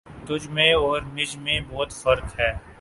تجھ میں اور مجھ میں بہت فرق ہے